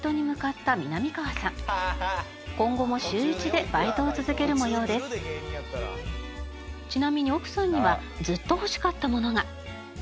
ちなみに奥さんにはずっと欲しかったものが。